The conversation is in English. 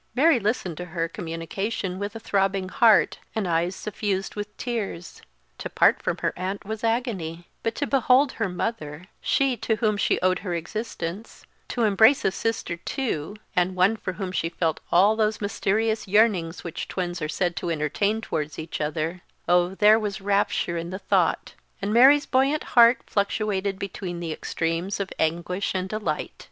Mary listened to her communication with a throbbing heart and eyes suffused with tears; to part from her aunt was agony; but to behold her mother she to whom she owed her existence, to embrace a sister too and one for whom she felt all those mysterious yearnings which twins are said to entertain towards each other oh, there was rapture in the thought, and Mary's buoyant heart fluctuated between the extremes of anguish and delight.